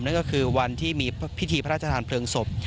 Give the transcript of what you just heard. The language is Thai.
นั่นก็คือวันที่มีพิธีพระราชทานเพลิงศพ